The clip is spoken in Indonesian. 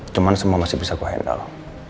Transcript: cuman semua masih bisa gue handle